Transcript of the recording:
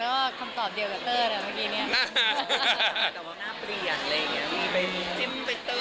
แล้วคำตอบเดียวกับเต้อแหละเมื่อกี้นี่